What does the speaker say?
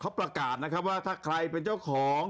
เขาประกาศนะครับว่าถ้าใครเป็นเจ้าของ